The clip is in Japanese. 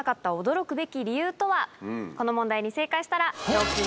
この問題に正解したら。